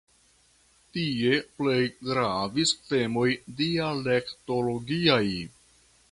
Tie plej gravis temoj dialektologiaj.